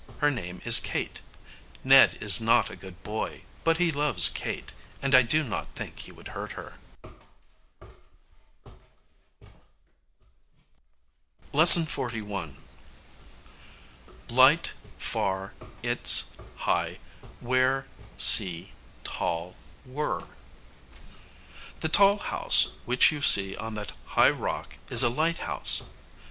Her name is Kate. Ned is not a good boy, but he loves Kate, and I do not think he would hurt her. ] LESSON XLI. light far its high where sea tall were The tall house which you see on that high rock is a lighthouse.